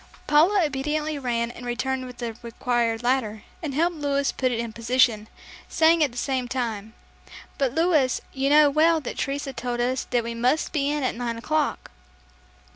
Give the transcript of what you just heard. Paula obediently ran and returned with the required ladder, and helped Louis put it in position, saying at the same time, "But Louis, you know well that Teresa told us that we must be in at nine o'clock."